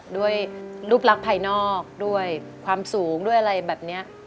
ด้วยรูปลักษณ์ภายนอกด้วยความสูงด้วยอะไรแบบนี้